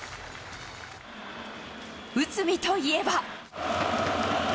内海といえば。